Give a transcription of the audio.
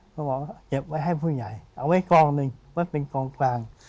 เขาบอกว่าเก็บไว้ให้ผู้ใหญ่เอาไว้กองหนึ่งไว้เป็นกองกลาง